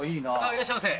いらっしゃいませ。